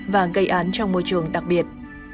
và gây án trong môi trường đặc biệt